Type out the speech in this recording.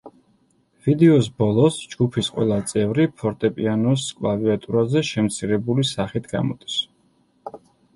ვიდეოს ბოლოს ჯგუფის ყველა წევრი ფორტეპიანოს კლავიატურაზე შემცირებული სახით გამოდის.